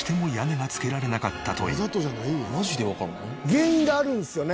原因があるんですよね？